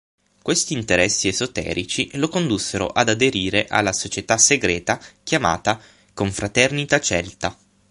Questi interessi esoterici lo condussero ad aderire alla società segreta chiamata Confraternita Celta.